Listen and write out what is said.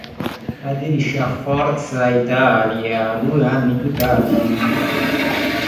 Aderisce a Forza Italia due anni più tardi.